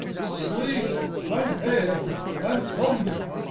Sleet! and Hail! and Thunder!